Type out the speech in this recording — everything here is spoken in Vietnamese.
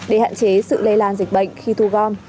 để hạn chế sự lây lan dịch bệnh khi thu gom